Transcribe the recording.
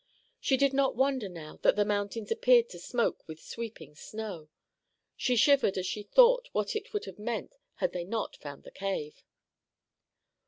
She did not wonder now that the mountains appeared to smoke with sweeping snow. She shivered as she thought what it would have meant had they not found the cave.